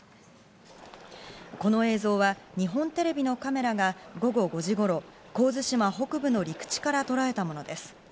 この映像は日本テレビのカメラが午後５時ごろ神津島北部の陸地から捉えたものです。